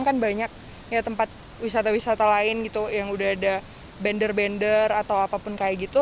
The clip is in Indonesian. kan banyak tempat wisata wisata lain yang sudah ada bender bender atau apapun kayak gitu